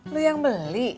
lo yang beli